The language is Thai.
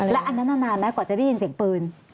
แล้วอันนั้นมานานไหมก่อนจะได้ยินเสียงปืน